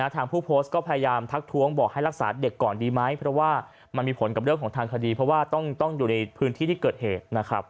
ทางผู้โพสต์ก็พยายามทักท้วงบอกให้รักษาเด็กก่อนดีไหมเพราะว่ามันมีผลกับเรื่องของทางคดีเพราะว่าต้องอยู่ในพื้นที่ที่เกิดเหตุนะครับ